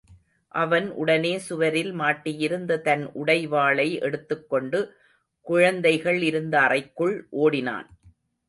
அவன் உடனே சுவரில் மாட்டியிருந்த தன் உடைவாளை எடுத்துக்கொண்டு, குழந்தைகள் இருந்த அறைக்குள் ஓடினான்.